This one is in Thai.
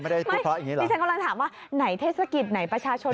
ไม่เดี๋ยวฉันกำลังถามว่าไหนเทศกิตไหนประชาชน